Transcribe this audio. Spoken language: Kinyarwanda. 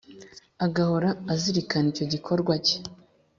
agahora azirikana icyo gikorwa cye,